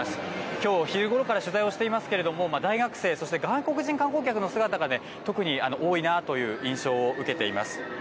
きょうお昼ごろから取材をしていますけれども大学生、そして外国人観光客の姿が特に多いなという印象を受けています。